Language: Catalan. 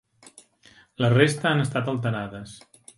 La resta han estat alterades.